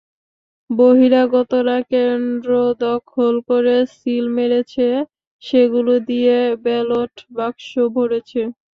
বহিরাগতরা কেন্দ্র দখল করে সিল মেরেছে, সেগুলো দিয়ে ব্যালট বাক্স ভরেছে।